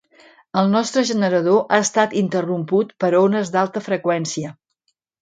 El nostre generador ha estat interromput per ones d'alta freqüència.